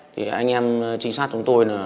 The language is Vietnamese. thì anh em trinh sát chúng tôi